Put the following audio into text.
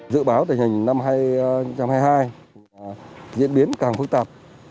dự báo tình hình năm hai nghìn hai mươi hai diễn biến càng phức tạp